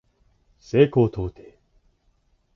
西高東低